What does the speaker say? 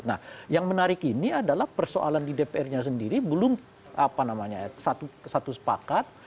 nah yang menarik ini adalah persoalan di dpr nya sendiri belum satu sepakat